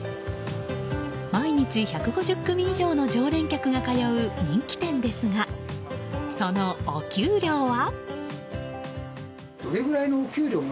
毎日１５０組以上の常連客が通う人気店ですがそのお給料は？